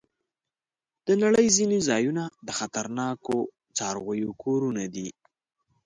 د نړۍ ځینې ځایونه د خطرناکو څارويو کورونه دي.